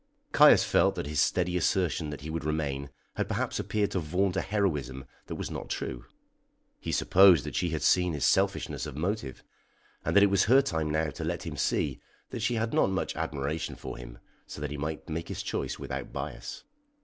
Caius felt that his steady assertion that he would remain had perhaps appeared to vaunt a heroism that was not true. He supposed that she had seen his selfishness of motive, and that it was her time now to let him see that she had not much admiration for him, so that he might make his choice without bias.